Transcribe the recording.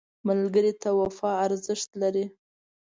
ملګری ته وفا ارزښت لري